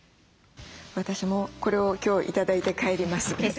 私もこれを今日頂いて帰ります。